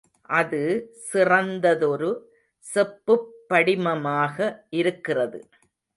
அது சிறந்ததொரு செப்புப்படிமமாக இருக்கிறது.